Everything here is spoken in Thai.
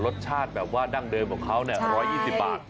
รสชาติแบบว่าดั้งเดิมของเขา๑๒๐บาท